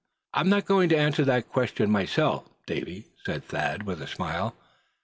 "I'm not going to answer that question myself, Davy," said Thad, with a smile.